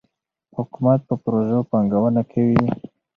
حکومت په پروژو پانګونه کوي.